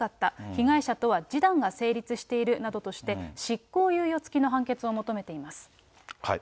被害者とは示談が成立しているなどとして、執行猶予付きの判決を求めています。